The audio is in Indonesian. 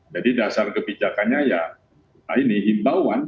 jadi dasar kebijakannya ya ini imbauan